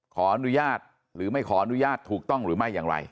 ขออนุญาตหรือไม่ขออนุญาตถูกต้องหรือไม่อย่างไร